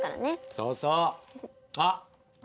そうそう！あっ！